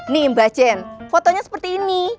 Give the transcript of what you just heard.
nih mbak jen fotonya seperti ini